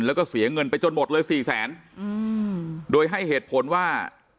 แล้วก็เสียเงินไปจนหมดเลยสี่แสนอืมโดยให้เหตุผลว่า